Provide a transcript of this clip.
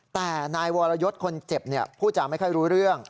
แต่นายวรยศคนเจ็บพูดจาไม่ค่อยรู้เรื่อง